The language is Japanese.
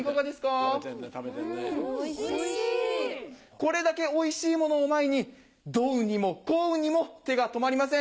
これだけおいしいものを前にどウニもこウニも手が止まりません。